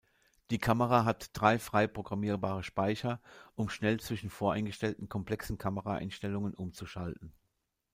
Die Kamera hat drei frei programmierbare Speicher, um schnell zwischen voreingestellten komplexen Kamera-Einstellungen umzuschalten.